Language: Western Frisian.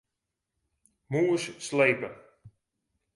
Mûs slepe.